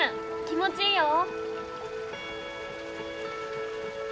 気持ちいいよ。